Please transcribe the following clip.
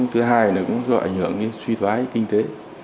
thứ hai là cũng do ảnh hưởng đến suy thoái kinh tế